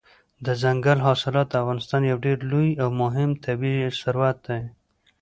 دځنګل حاصلات د افغانستان یو ډېر لوی او مهم طبعي ثروت دی.